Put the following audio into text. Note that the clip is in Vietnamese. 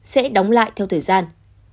sẽ đóng lại theo thời gian